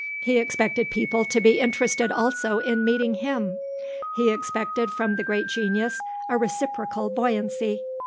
He expected people to be interested also in meeting him. He expected from the great genius a reciprocal buoyancy.